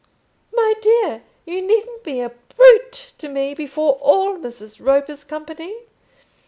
"My dear, you needn't be a brute to me before all Mrs. Roper's company.